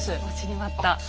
待ちに待った。